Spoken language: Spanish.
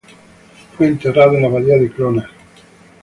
Fue enterrado en la abadía de Clonard.